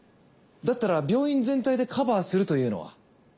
だったら病院全体でカバーするというのは？